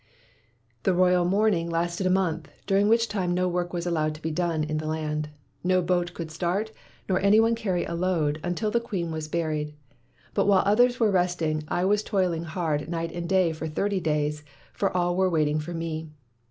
"The royal mourning lasted a month, during which time no work was allowed to be done in the land. No boat could start nor any one carry a load, until the queen was buried. But while others were resting, I was toiling hard night and day, for thirty days, for all were waiting for me.